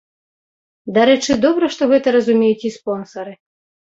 Дарэчы, добра, што гэта разумеюць і спонсары.